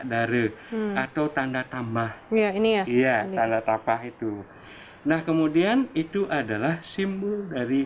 dari atau tanda tambah ya ini iya tanda tapa itu nah kemudian itu adalah simbol dari